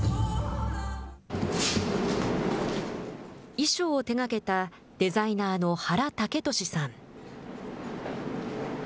衣装を手がけたデザイナーの原孟俊さん。